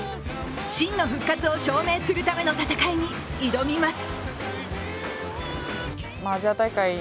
真の復活を証明するための戦いに挑みます。